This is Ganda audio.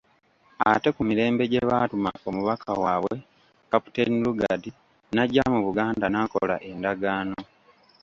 Ate ku mirembe gye baatuma omubaka waabwe Captain Lugard, n'ajja mu Buganda n'akola Endagaano.